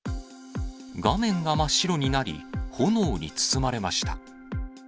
画面が真っ白になり、炎に包まれました。